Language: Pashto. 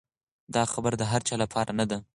دا خبره د هر چا لپاره نه ده.